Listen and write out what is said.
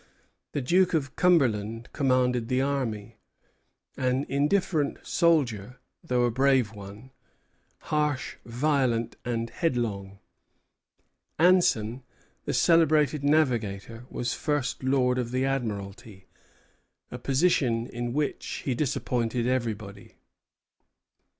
The Duke of Cumberland commanded the army, an indifferent soldier, though a brave one; harsh, violent, and headlong. Anson, the celebrated navigator, was First Lord of the Admiralty, a position in which he disappointed everybody.